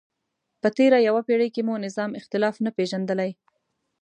په تېره یوه پیړۍ کې مو نظام اختلاف نه پېژندلی.